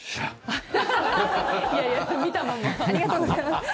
ありがとうございます。